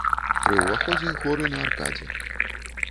Пры ўваходзе хоры на аркадзе.